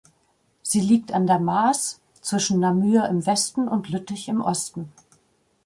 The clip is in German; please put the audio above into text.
Sie liegt an der Maas zwischen Namur im Westen und Lüttich im Osten.